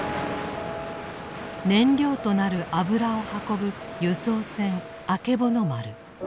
燃料となる油を運ぶ油槽船「あけぼの丸」。